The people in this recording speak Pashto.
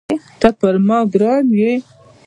ته پر ما ګران یې